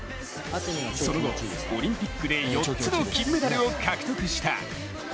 その後、オリンピックで４つの金メダルを獲得した。